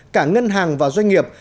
cả ngân hàng và doanh nghiệp